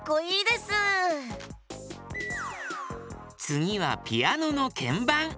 つぎはピアノのけんばん。